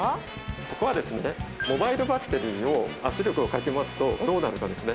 ここはですね、モバイルバッテリーを圧力をかけますと、どうなるかですね。